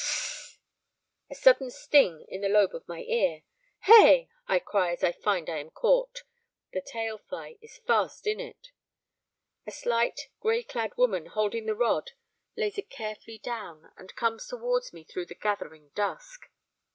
S s s s! a sudden sting in the lobe of my ear. Hey! I cry as I find I am caught; the tail fly is fast in it. A slight, grey clad woman holding the rod lays it carefully down and comes towards me through the gathering dusk.